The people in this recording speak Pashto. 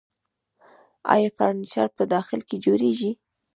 آیا فرنیچر په داخل کې جوړیږي؟